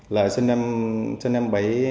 là sinh năm một nghìn chín trăm bảy mươi hai